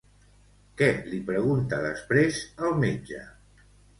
Què li pregunta després al metge?